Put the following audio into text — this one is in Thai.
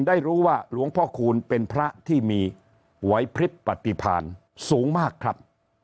ได้รู้ว่าหลวงพ่อคูณเป็นพระที่มีไว้พริบปฏิพาณสูงมากครับ